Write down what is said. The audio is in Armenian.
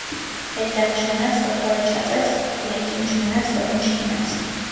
Էլ դեղ չմնաց, որ փորը չածեց, էլ հեքիմ չմնաց, որին չդիմեց: